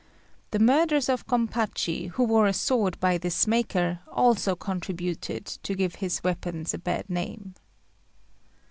The murders of Gompachi, who wore a sword by this maker, also contributed to give his weapons a bad name.